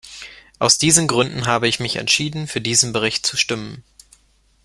Aus diesen Gründen habe ich mich entschieden, für diesen Bericht zu stimmen.